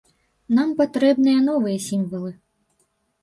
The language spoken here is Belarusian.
Нам патрэбныя новыя сімвалы.